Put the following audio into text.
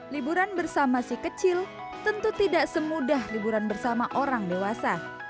liburan bersama si kecil tentu tidak semudah liburan bersama orang dewasa